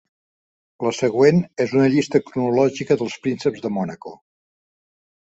La següent és una llista cronològica dels Prínceps de Mònaco.